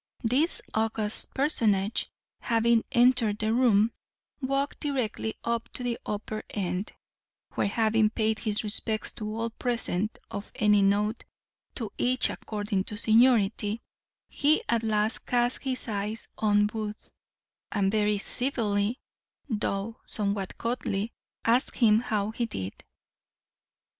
This august personage, having entered the room, walked directly up to the upper end, where having paid his respects to all present of any note, to each according to seniority, he at last cast his eyes on Booth, and very civilly, though somewhat coldly, asked him how he did.